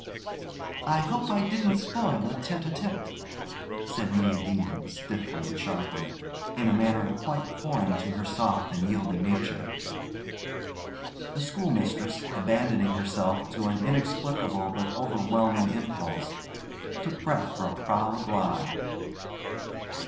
'I hope I didn't spoil a tête à tête,' said May Deane, stiffly and sharply, in a manner quite foreign to her soft and yielding nature. The schoolmistress, abandoning herself to an inexplicable but overwhelming impulse, took breath for a proud lie.